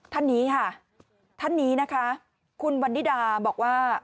ท่านนี้ค่ะท่านนี้นะคะคุณวันนิดาบอกว่า